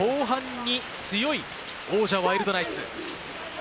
後半に強い王者・ワイルドナイツ。